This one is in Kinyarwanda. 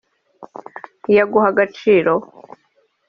Iyo aguha agaciro